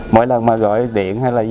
mỗi lần mà gọi điện hay là